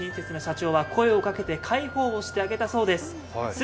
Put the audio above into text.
とても親切な社長は声をかけて介抱をしてあげたそうです。